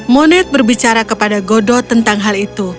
moned berbicara kepada godot tentang hal itu